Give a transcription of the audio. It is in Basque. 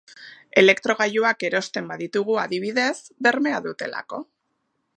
Elektrogailuak erosten baditugu adibidez, bermea dutelako.